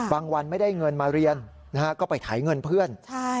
วันไม่ได้เงินมาเรียนนะฮะก็ไปไถเงินเพื่อน